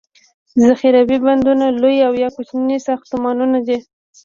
ذخیروي بندونه لوي او یا کوچني ساختمانونه دي.